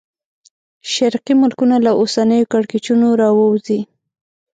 شرقي ملکونه له اوسنیو کړکېچونو راووځي.